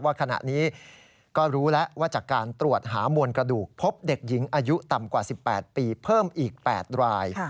ขณะนี้ก็รู้แล้วว่าจากการตรวจหามวลกระดูกพบเด็กหญิงอายุต่ำกว่า๑๘ปีเพิ่มอีก๘ราย